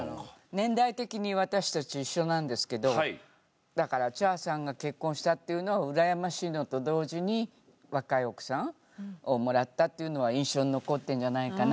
年代的に私たち一緒なんですけどだから茶さんが結婚したっていうのはうらやましいのと同時に若い奥さんをもらったっていうのは印象に残ってるんじゃないかな。